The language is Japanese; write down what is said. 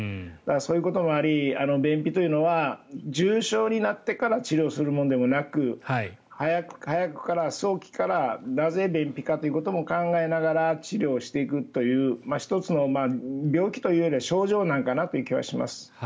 そういうこともあり便秘というのは重症になってから治療するものでもなく早くから、早期からなぜ便秘かということも考えながら治療をしていくという１つの病気というよりは症状なのかなという気はします。